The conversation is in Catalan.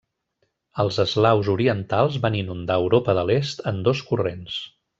Els eslaus orientals van inundar Europa de l'Est en dos corrents.